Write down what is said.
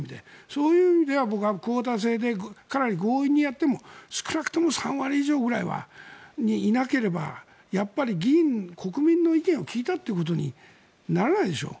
そういう意味では僕はクオーター制でかなり強引にやっても少なくとも３割以上ぐらいはいなければやっぱり国民の意見を聞いたということにならないでしょう。